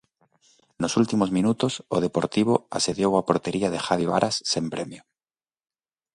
Nos últimos minutos, o Deportivo asediou a portería de Javi Varas sen premio.